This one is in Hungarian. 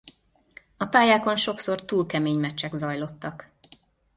A pályákon sokszor túl kemény meccsek zajlottak.